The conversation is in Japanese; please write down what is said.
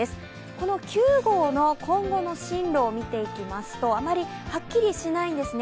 この９号の今後の進路を見ていきますと、あまりはっきりしないんですね。